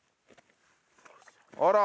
あら！